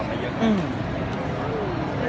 คือแล้วสองคนด้วย